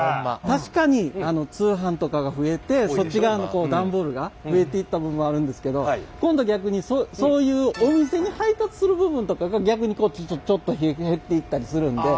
確かに通販とかが増えてそっち側の段ボールが増えていった部分はあるんですけど今度逆にそういうお店に配達する部分とかが逆にちょっと減っていったりするんで。